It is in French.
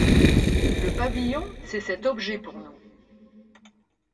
Le pavillon, c’est cet objet pour nous !